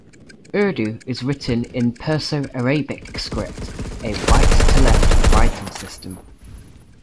Urdu is written in Perso-Arabic script, a right-to-left writing system.